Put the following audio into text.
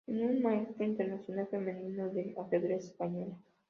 Es una Maestro Internacional Femenino de de ajedrez española.